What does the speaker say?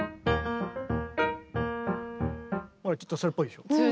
ちょっとそれっぽいでしょ。